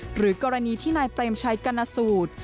หรือกรณีที่นายเปรมชัยกรณสูตร